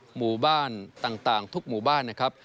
หมู่บ้านต่างทุกหมู่บ้านนะครับ